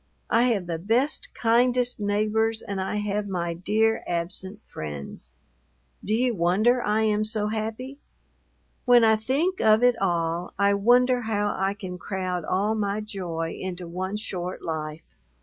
I have the best, kindest neighbors and I have my dear absent friends. Do you wonder I am so happy? When I think of it all, I wonder how I can crowd all my joy into one short life.